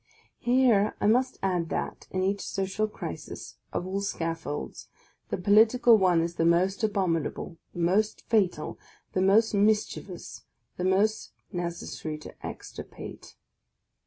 Here I must add that, in each social crisis, of all scaffolds, the political one is the most abominable, the most fatal, the most mischievous, the most necessary to extirpate.